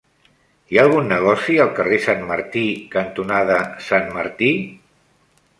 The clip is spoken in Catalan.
Hi ha algun negoci al carrer Sant Martí cantonada Sant Martí?